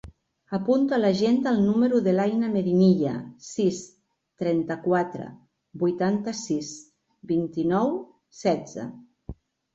Apunta a l'agenda el número de l'Aina Medinilla: sis, trenta-quatre, vuitanta-sis, vint-i-nou, setze.